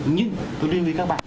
nhưng tôi đưa ý với các bạn